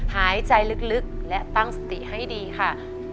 หายใจลึกและตั้งสติให้ดีค่ะ